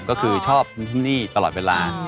ก็คือชอบที่นี่ตลอดเวลา